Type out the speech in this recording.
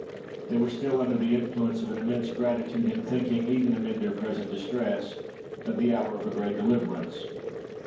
They were still under the influence of an immense gratitude in thinking, even amid their present distress, of the hour of a great deliverance.